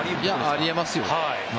あり得ますよ。